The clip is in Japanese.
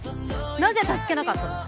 なぜ助けなかったの！